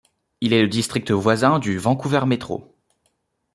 Il est le district voisin du Vancouver Métro.